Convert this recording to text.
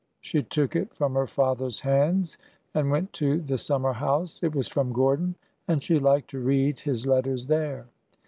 V She took it from her father's hands and went to the summer house. It was from Gordon, and she liked to read his letters there.